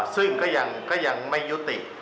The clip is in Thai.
ซึ่งก็ยังไม่ยุติ